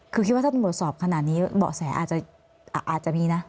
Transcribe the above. คือคิดว่าถ้าตำรวจสอบขนาดนี้เบาะแสอาจจะมีนะ